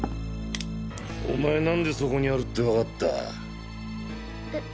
お前なんでそこにあるってわかった？